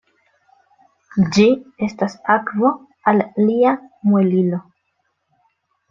Ĝi estas akvo al lia muelilo.